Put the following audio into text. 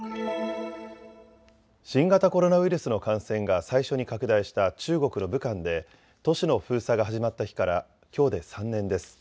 新型コロナウイルスの感染が最初に拡大した中国の武漢で都市の封鎖が始まった日からきょうで３年です。